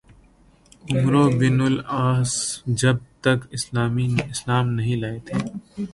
عمرو بن العاص جب تک اسلام نہیں لائے تھے